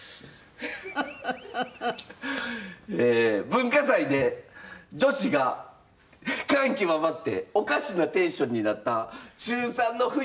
文化祭で女子が感極まっておかしなテンションになった中３の冬。